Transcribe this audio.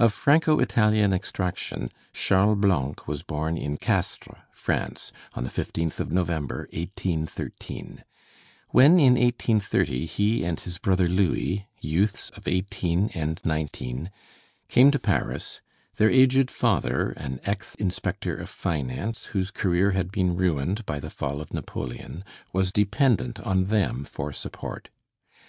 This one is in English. Of Franco Italian extraction, Charles Blanc was born in Castres, France, on the 15th of November, 1813. When in 1830 he and his brother Louis, youths of eighteen and nineteen, came to Paris, their aged father, an ex inspector of finance whose career had been ruined by the fall of Napoleon, was dependent on them for support.